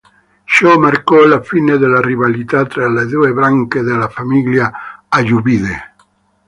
Ciò marcò la fine delle rivalità tra le due branche della famiglia ayyubide.